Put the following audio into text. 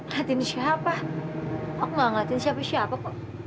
liatin siapa aku gak ngeliatin siapa siapa kok